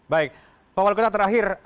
baik pak wali kota terakhir